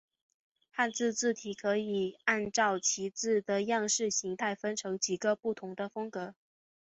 汉字字体可以按照其字的样式形态分成几个不同的风格。